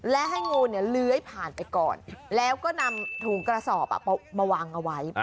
และให้งูเนี่ยเลื้อยผ่านไปก่อนแล้วก็นำถุงกระสอบมาวางเอาไว้